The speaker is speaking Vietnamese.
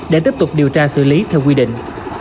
để tiếp tục điều tra xử lý theo quy định